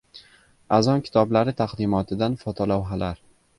"Azon kitoblari" taqdimotidan fotolavhalar